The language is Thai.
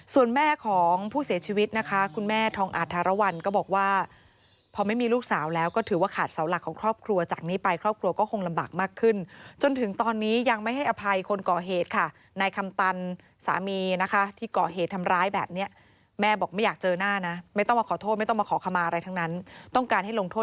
ส่วนแม่ของผู้เสียชีวิตนะคะคุณแม่ทองอาธารวรรณก็บอกว่าพอไม่มีลูกสาวแล้วก็ถือว่าขาดเสาหลักของครอบครัวจากนี้ไปครอบครัวก็คงลำบากมากขึ้นจนถึงตอนนี้ยังไม่ให้อภัยคนก่อเหตุค่ะนายคำตันสามีนะคะที่ก่อเหตุทำร้ายแบบนี้แม่บอกไม่อยากเจอหน้านะไม่ต้องมาขอโทษไม่ต้องมาขอขมาอะไรทั้งนั้นต้องการให้ลงโทษ